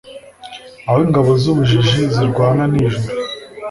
Aho ingabo zubujiji zirwana nijoro